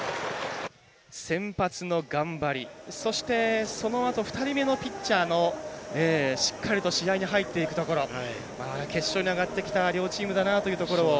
先発の頑張りそして、そのあと２人目のピッチャーのしっかりと試合に入っていくところ決勝に上がってきた両チームだなというところを。